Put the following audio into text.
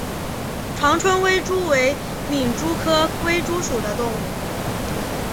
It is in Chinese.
长春微蛛为皿蛛科微蛛属的动物。